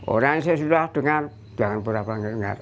orang yang sudah sudah dengar jangan pura pura tidak dengar